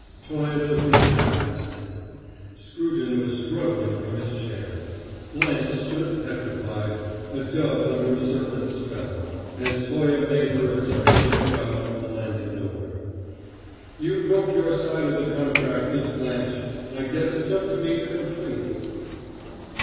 Toye took his hat and stick. Scruton was struggling from his chair. Blanche stood petrified, a dove under a serpent's spell, as Toye made her a sardonic bow from the landing door. "You broke your side of the contract, Miss Blanche! I guess it's up to me to complete."